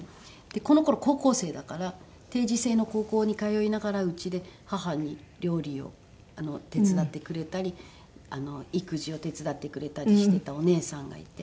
でこの頃高校生だから定時制の高校に通いながらうちで母に料理を手伝ってくれたり育児を手伝ってくれたりしてたお姉さんがいて。